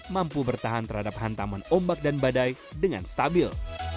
mampu bertahan terhadap hantaman ombak dan badai dengan stabil